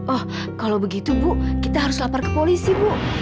oh kalau begitu bu kita harus lapor ke polisi bu